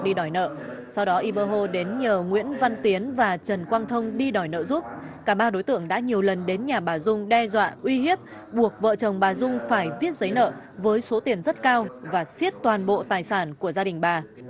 đi đòi nợ sau đó iber đến nhờ nguyễn văn tiến và trần quang thông đi đòi nợ giúp cả ba đối tượng đã nhiều lần đến nhà bà dung đe dọa uy hiếp buộc vợ chồng bà dung phải viết giấy nợ với số tiền rất cao và xiết toàn bộ tài sản của gia đình bà